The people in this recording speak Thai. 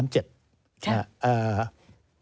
ชาติ